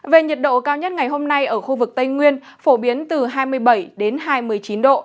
về nhiệt độ cao nhất ngày hôm nay ở khu vực tây nguyên phổ biến từ hai mươi bảy đến hai mươi chín độ